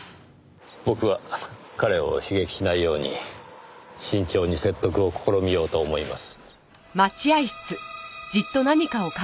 僕は彼を刺激しないように慎重に説得を試みようと思います。